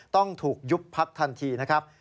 ต้องถูกยุบพักทันทีนะครับ